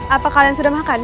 apa kalian sudah makan